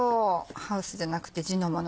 ハウスじゃなくて地のものね。